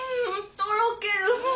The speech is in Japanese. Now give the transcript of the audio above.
とろける。